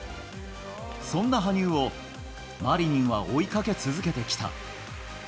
そんな羽生を、マリニンは追いかけ続けてきた。